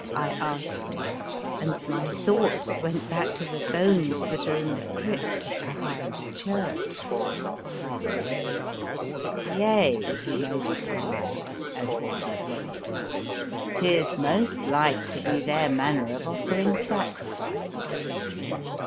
I asked, and my thoughts went back to the bones that are in the crypt of the Hythe Church. " Yea," he made reply (as was his wont), " 'tis most like to be their man ner of offering sacrifice."